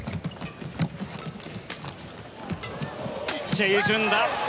チェ・ユジュンだ。